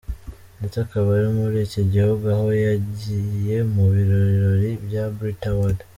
Ndetse akaba ari muri iki gihugu, aho yagiye mu birori bya Brit Award.